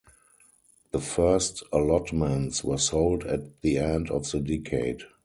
The first allotments were sold at the end of the decade.